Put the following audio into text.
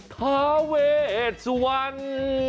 ทาเวชสุวรรณ